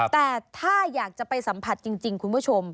แต่ถ้าอยากจะไปสัมผัสจริงคุณผู้ชม